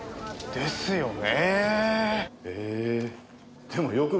ですよね。